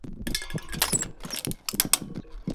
আমি নিজ হাতে প্রতিটা পত্রিকা পড়ি।